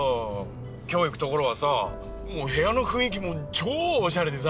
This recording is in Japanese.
今日行くところはさ部屋の雰囲気も超おしゃれでさ！